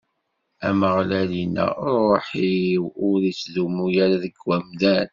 Ameɣlal inna: Ṛṛuḥ-iw ur ittdumu ara deg umdan.